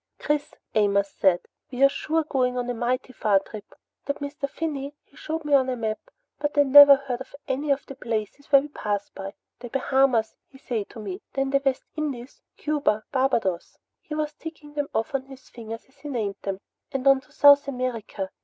"Chris," Amos said, "we're sure going on a mighty far trip! That Mister Finney, he showed me on a map, but I never heard of any of the places we pass by. The Bahamas, he say to me, then the West Indies, Cuba, Barbadoes" he was ticking them off on his fingers as he named them "an' on to South America.